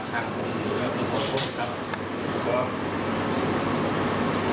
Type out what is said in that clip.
ก็เลยให้ผมพี่กล้าว